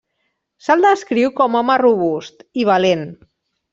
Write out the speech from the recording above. Se'l descriu com home robust, i valent.